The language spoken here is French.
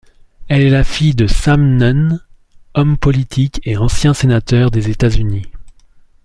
Elle est la fille de Sam Nunn, homme politique et ancien sénateur des États-Unis.